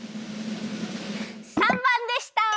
３ばんでした！